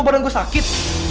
badan gue sakit